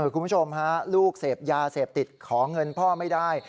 คุณผู้ชมฮะลูกเสพยาเสพติดขอเงินพ่อไม่ได้